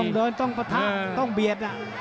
เดินต้องประทะต้องเบียด